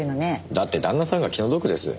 だって旦那さんが気の毒です。